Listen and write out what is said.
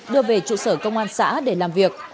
đưa về trụ sở công an xã để làm việc